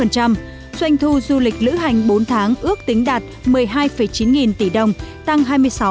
doanh thu du lịch lữ hành bốn tháng ước tính đạt một mươi hai chín nghìn tỷ đồng tăng hai mươi sáu